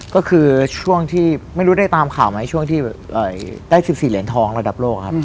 ฮคือไม่รู้ได้ตามข่าวไหมช่วงที่ได้๑๔เรียนท้องระดับโรคครับ